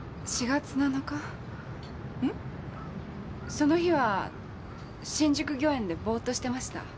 その日は新宿御苑でボーッとしてました。